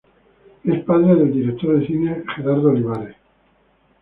Es padre del director de cine Gerardo Olivares.